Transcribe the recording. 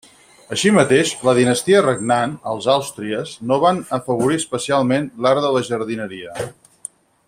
Així mateix, la dinastia regnant, els Àustries, no van afavorir especialment l'art de la jardineria.